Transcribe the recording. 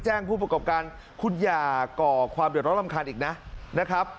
แจ้งผู้ประกอบการคุณยาก่อความเดี๋ยวร้อนรำคาญอีกนะ